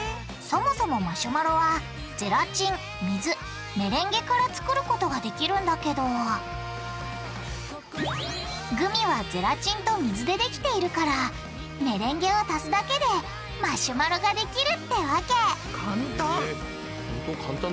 そもそもマシュマロはゼラチン水メレンゲから作ることができるんだけどグミはゼラチンと水でできているからメレンゲを足すだけでマシュマロができるってわけ簡単。